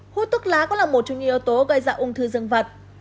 hút thuốc lá có là một trong những yếu tố gây ra ung thư dương vật